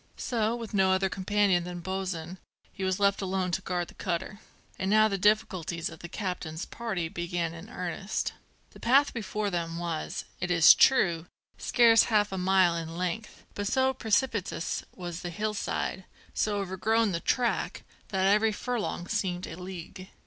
'So, with no other companion than Bosin, he was left alone to guard the cutter. And now the difficulties of the captain's party began in earnest. The path before them was, it is true, scarce half a mile in length, but so precipitous was the hillside, so overgrown the track, that every furlong seemed a league.